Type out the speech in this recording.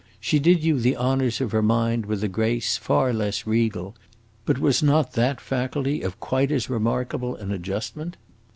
She did you the honors of her mind with a grace far less regal, but was not that faculty of quite as remarkable an adjustment?